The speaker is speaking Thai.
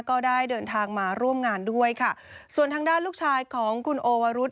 ก็ได้เดินทางมาร่วมงานด้วยค่ะส่วนทางด้านลูกชายของคุณโอวรุธ